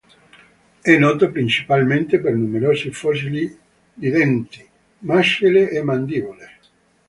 È noto principalmente per numerosi fossili di denti, mascelle e mandibole.